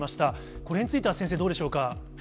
このへんについては先生、どうでしょうか。